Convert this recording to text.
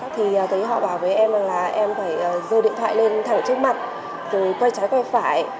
thì thấy họ bảo với em là em phải dồi điện thoại lên thẳng trước mặt rồi quay trái quay phải